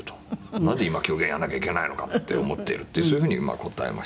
「“なんで今狂言やらなきゃいけないのかって思っている”ってそういうふうに答えましたね」